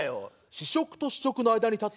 「試食と試食の間に立つ」。